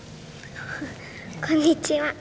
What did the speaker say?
こんにちは。